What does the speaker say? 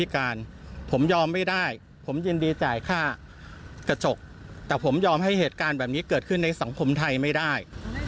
กระจกแต่ผมยอมให้เหตุการณ์แบบนี้เกิดขึ้นในสังคมไทยไม่ได้